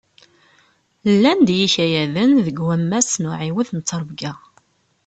Llan-d yikayaden deg wammas n uɛiwed n ttrebga.